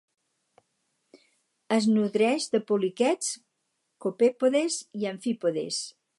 Es nodreix de poliquets, copèpodes i amfípodes.